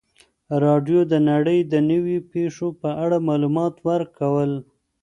راډیو د نړۍ د نویو پیښو په اړه معلومات ورکول.